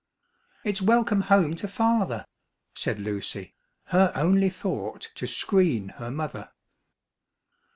"It's welcome home to father!" said Lucy, her only thought to screen her mother.